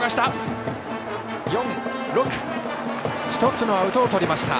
１つのアウトをとりました。